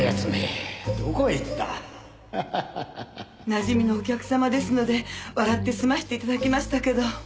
なじみのお客様ですので笑って済ませて頂きましたけど。